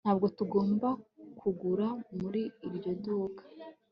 Ntabwo tugomba kugura muri iryo duka